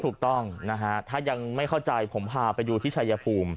ถูกต้องนะฮะถ้ายังไม่เข้าใจผมพาไปดูที่ชายภูมิ